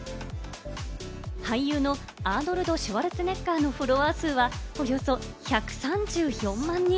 俳優のアーノルド・シュワルツェネッガーのフォロワー数はおよそ１３４万人。